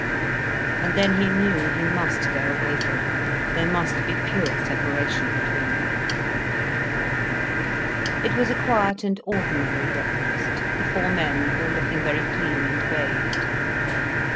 And then he knew, he must go away from her, there must be pure separation between them. It was a quiet and ordinary breakfast, the four men all looking very clean and bathed.